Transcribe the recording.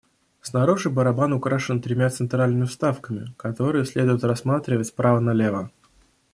Снаружи барабан украшен тремя центральными вставками, которые следует рассматривать справа налево.